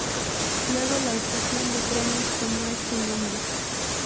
Luego la estación de trenes tomo este nombre.